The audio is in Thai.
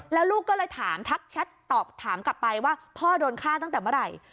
แล้วลูกก็เลยถามทักแชทตอบถามกลับไปว่าพ่อโดนฆ่าตั้งแต่เมื่อไหร่